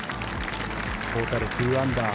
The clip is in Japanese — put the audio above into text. トータル２アンダー。